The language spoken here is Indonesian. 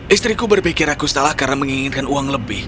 istriku berpikir aku salah karena menginginkan uang lebih